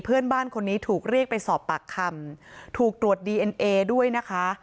เพื่อนบ้านคนนี้ถูกเรียกไปสอบปากคำถูกตรวจดีเอ็นเอด้วยนะคะ